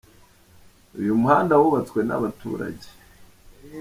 Uyu muhanda wubatswe nabaturege